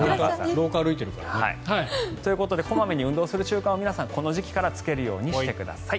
廊下歩いてるからね。ということで小まめに運動する習慣を皆さんこの時期からつけるようにしてください。